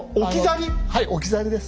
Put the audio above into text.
はい置き去りです。